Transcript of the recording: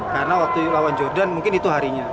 karena waktu lawan jordan mungkin itu harinya